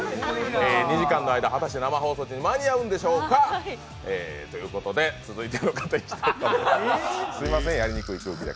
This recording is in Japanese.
２時間の間、果たして生放送に間に合うんでしょうかということで続いての方、すみません、やりにくい空気で。